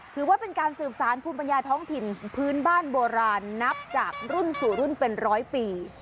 ถือว่าเป็นการสืบสารภูมิปัญญาท้องถิ่นพื้นบ้านโบราณนับจากรุ่นสู่รุ่นเป็นร้อยปี